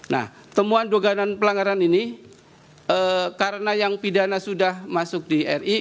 nah temuan dugaan pelanggaran ini karena yang pidana sudah masuk di ri